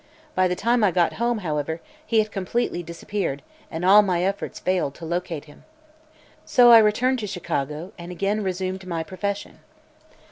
By the time I got home, however, he had completely disappeared and all my efforts failed to locate him. So I returned to Chicago and again resumed my profession.